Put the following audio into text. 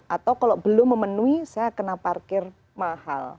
atau kalau belum memenuhi saya kena parkir mahal